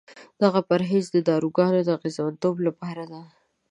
دغه پرهیز د داروګانو د اغېزمنتوب لپاره دی.